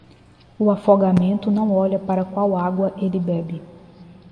O afogamento não olha para qual água ele bebe.